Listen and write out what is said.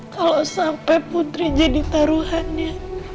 kalau sampai putri jadi taruhannya